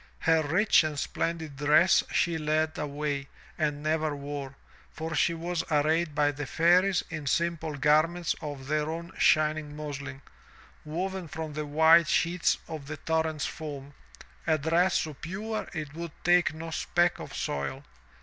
Her rich and splendid dress she laid away and never wore, for she was arrayed by the Fairies in simple garments of their own shining muslin, woven from the white sheets of the torrent's foam, a dress so pure it would take no speck of soil.